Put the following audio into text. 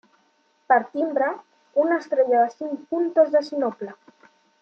Per timbre, una estrella de cinc puntes de sinople.